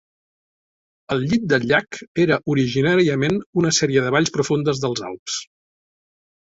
El llit del llac era originàriament una sèrie de valls profundes dels Alps.